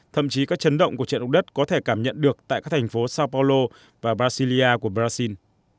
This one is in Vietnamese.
thậm chí các chấn động của trận động đất có thể cảm nhận được tại các thành phố sao paulo và brasilia của brazil